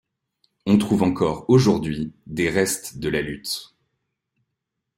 On trouve encore aujourd'hui, des restes de la lutte.